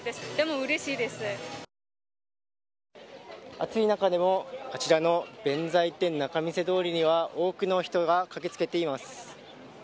暑い中でもあちらの弁財天仲見世通りには多くの人が駆け付けています。